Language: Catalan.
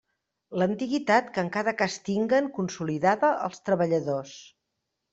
L'antiguitat que en cada cas tinguen consolidada els treballadors.